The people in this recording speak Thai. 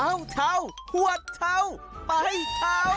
เอ้าเถ้าหวัดเถ้าไปเถ้า